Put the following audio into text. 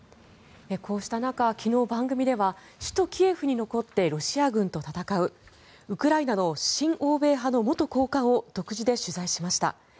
こうした中昨日、番組では首都キエフに残ってロシア軍と戦うウクライナの親欧米派の元高官を独自で取材しました。